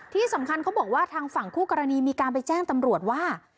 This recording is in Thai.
ที่สำคัญเขาบอกว่าทางฝั่งคู่กรณีมีการไปแจ้งตำรวจว่า